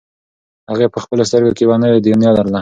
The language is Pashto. هغې په خپلو سترګو کې یوه نوې دنیا لرله.